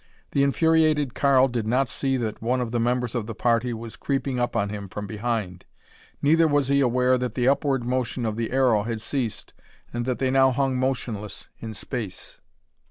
The infuriated Karl did not see that one of the members of the party was creeping up on him from behind. Neither was he aware that the upward motion of the aero had ceased and that they now hung motionless in space.